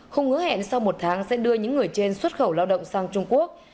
hùng hứa hẹn sau một tháng sẽ đưa những người trên xuất khẩu lao động sang trung quốc